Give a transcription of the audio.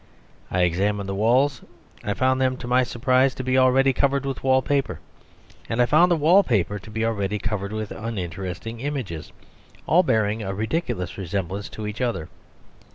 I examined the walls; I found them to my surprise to be already covered with wallpaper, and I found the wallpaper to be already covered with uninteresting images, all bearing a ridiculous resemblance to each other.